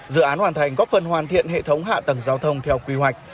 dự án hoàn thành góp phần hoàn thiện hệ thống hạ tầng giao thông theo quy hoạch